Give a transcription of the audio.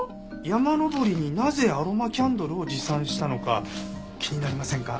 山登りになぜアロマキャンドルを持参したのか気になりませんか？